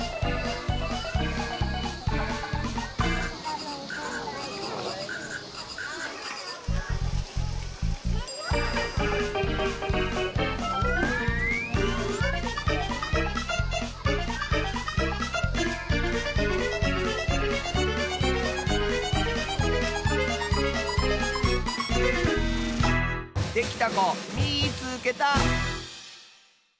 できたこみいつけた！